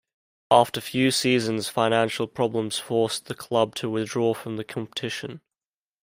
After few seasons, financial problems forced the club to withdraw from the competition.